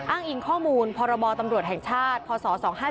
อ้างอิงข้อมูลพรตทพศ๒๕๔๗